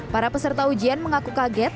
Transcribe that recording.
para peserta ujian mengaku kaget